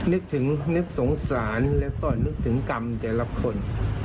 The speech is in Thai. นึกถึงนึกสงสารแล้วก็นึกถึงกรรมแต่ละคน